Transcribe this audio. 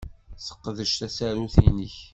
Sseqdec tasarut-nnek.